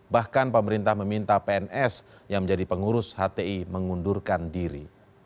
bahkan pemerintah meminta pns yang menjadi pengurus hti mengundurkan diri